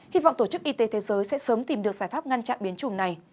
hy vọng tổ chức y tế thế giới sẽ sớm tìm được giải pháp ngăn chặn biến chủng này